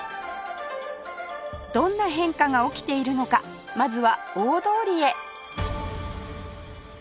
どんな変化が起きているのかまずは大通りへ